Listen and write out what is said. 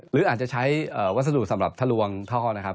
หรืออาจจะใช้วัสดุสำหรับทะลวงท่อนะครับ